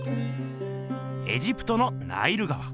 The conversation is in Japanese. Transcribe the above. エジプトのナイル川。